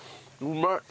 うまい！